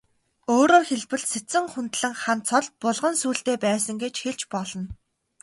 Өөрөөр хэлбэл, Сэцэн хүндлэн хан цол булган сүүлтэй байсан гэж хэлж болно.